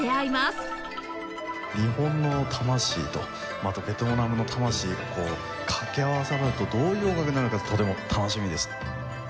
日本の魂とまたベトナムの魂がこう掛け合わされるとどういう音楽になるのかとても楽しみです。